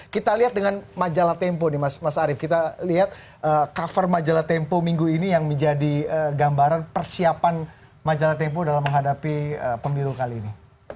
kita lihat dengan majalah tempo nih mas arief kita lihat cover majalah tempo minggu ini yang menjadi gambaran persiapan majalah tempo dalam menghadapi pemilu kali ini